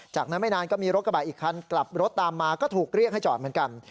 จากนั้นไม่นานก็มีรถกระบะอีกคันกลับรถตามมาก็ถูกเรียกให้จอดเหมือนกัน